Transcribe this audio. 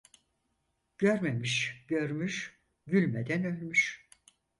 Görmemiş görmüş, gülmeden ölmüş.